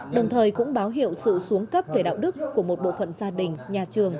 đồng thời cũng báo hiệu sự xuống cấp về đạo đức của một bộ phận gia đình nhà trường